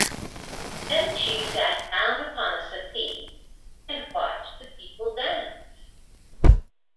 Then she sat down upon a settee and watched the people dance.